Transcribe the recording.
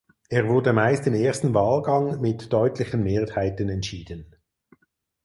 Er wurde meist im ersten Wahlgang mit deutlichen Mehrheiten entschieden.